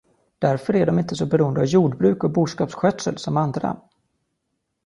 Därför är de inte så beroende av jordbruk och boskapsskötsel som andra.